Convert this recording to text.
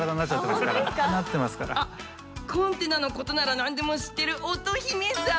あっコンテナのことなら何でも知ってる乙姫さん！